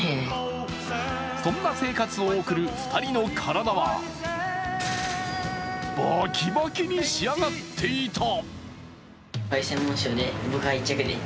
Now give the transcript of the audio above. そんな生活を送る２人の体はバキバキに仕上がっていた。